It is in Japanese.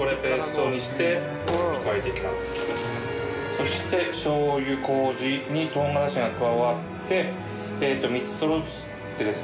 そしてしょう油麹に唐辛子が加わって３つそろってですね